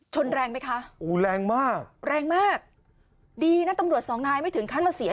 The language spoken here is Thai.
แรงไหมคะโอ้แรงมากแรงมากดีนะตำรวจสองนายไม่ถึงขั้นมาเสีย